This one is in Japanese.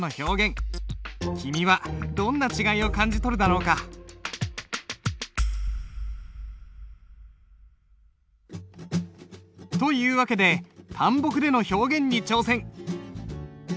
君はどんな違いを感じ取るだろうか？という訳で淡墨での表現に挑戦！